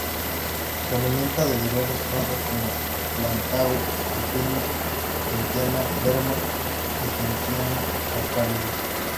Se alimentan de diversas plantas como "Plantago alpina", "Gentiana verna" y "Gentiana acaulis".